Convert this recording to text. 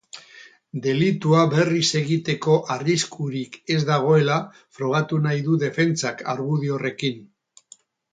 Delitua berriz egiteko arriskurik ez dagoela frogatu nahi du defentsak argudio horrekin.